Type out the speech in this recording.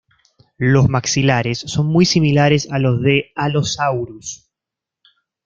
Los maxilares son muy similares a los de "Allosaurus".